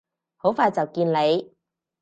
好快就見你！